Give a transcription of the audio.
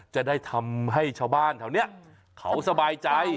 จะได้ทำให้ชาวบ้านแถวนี้เขาสบายใจ